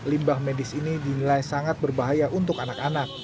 limbah medis ini dinilai sangat berbahaya untuk anak anak